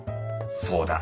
そうだ。